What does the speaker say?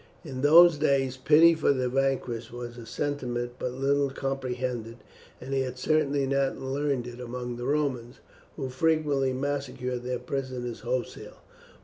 In those days pity for the vanquished was a sentiment but little comprehended, and he had certainly not learned it among the Romans, who frequently massacred their prisoners wholesale.